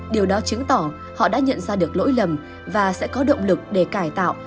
điều đó chứng tỏ họ đã nhận ra được lỗi lầm và sẽ có động lực để cải tạo